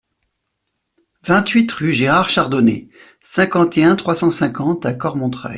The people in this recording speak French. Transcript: vingt-huit rue Gérard Chardonnet, cinquante et un, trois cent cinquante à Cormontreuil